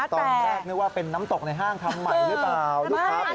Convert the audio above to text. ตอนแรกนึกว่าเป็นน้ำตกในห้างทำใหม่หรือเปล่าลูกค้า